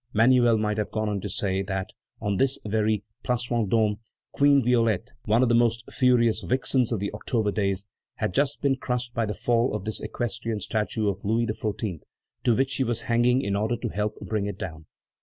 Manuel might have gone on to say that on this very Place Vendôme "Queen Violet," one of the most furious vixens of the October Days, had just been crushed by the fall of this equestrian statue of Louis XIV. to which she was hanging in order to help bring it down.